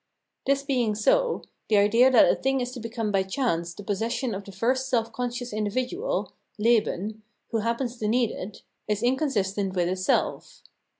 This being so, the idea that a thing is to become by chance the possession of the first self conscious individual (Lehen) who happens to need it, is inconsistent with itself.